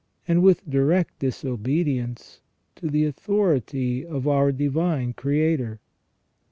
and with direct disobedience to the authority of our Divine Creator.